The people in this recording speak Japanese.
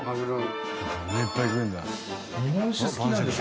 日本酒好きなんですか？